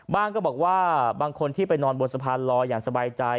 ก็บอกว่าบางคนที่ไปนอนบนสะพานลอยอย่างสบายใจ